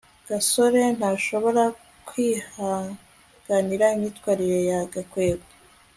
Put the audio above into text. gasore ntashobora kwihanganira imyitwarire ya gakwego